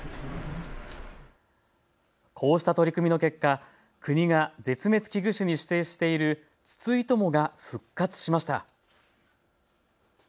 こうした取り組みの結果、国が絶滅危惧種に指定しているツツイトモが復活しました。